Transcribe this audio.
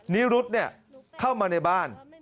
นิรุธเนี่ยเข้ามาในบ้าน